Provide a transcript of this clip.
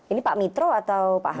ini pak mitro atau pak